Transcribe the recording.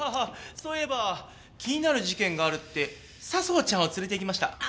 そういえば気になる事件があるって佐相ちゃんを連れていきました。